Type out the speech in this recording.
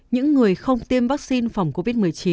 những người không tiêm vaccine phòng covid một mươi chín